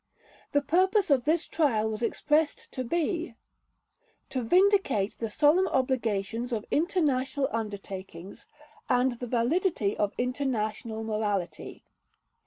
The purpose of this trial was expressed to be "to vindicate the solemn obligations of international undertakings, and the validity of international morality".